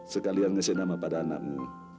sekalian ngasih nama pada anakmu